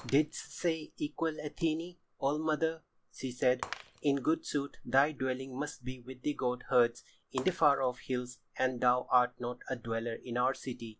"Didst say equal Athené? old mother," she said. "In good sooth thy dwelling must be with the goat herds in the far off hills and thou art not a dweller in our city.